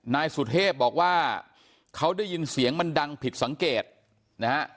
นายสุเทพบอกว่าเขาได้ยินเสียงมันดังผิดสังเกตนะฮะ